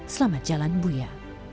selamat jalan buya